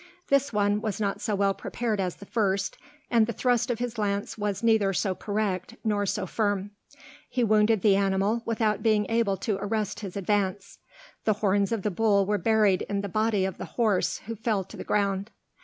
This one was not so well prepared as the first, and the thrust of his lance was neither so correct nor so firm; he wounded the animal without being able to arrest his advance. The horns of the bull were buried in the body of the horse, who fell to the ground.